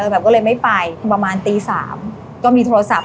แบบก็เลยไม่ไปประมาณตี๓ก็มีโทรศัพท์